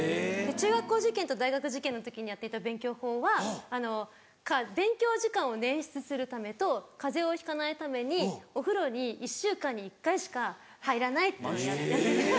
中学校受験と大学受験の時にやっていた勉強法は勉強時間を捻出するためと風邪をひかないためにお風呂に１週間に１回しか入らないっていうのをやってた。